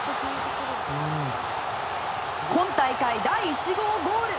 今大会第１号ゴール！